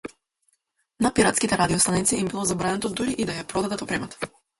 На пиратските радио-станици им било забрането дури и да ја продадат опремата.